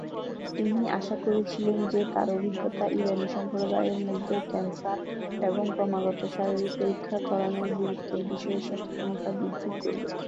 তিনি আশা করেছিলেন যে তার অভিজ্ঞতা ইরানি সম্প্রদায়ের মধ্যে ক্যান্সার এবং ক্রমাগত শারীরিক পরীক্ষা করানোর গুরুত্বের বিষয়ে সচেতনতা বৃদ্ধি করবে।